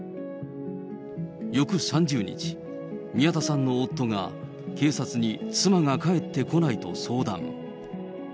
翌３０日、宮田さんの夫が、警察に妻が帰ってこないと相談。